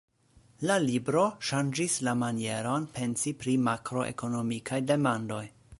La libro ŝanĝis la manieron pensi pri makroekonomikaj demandoj.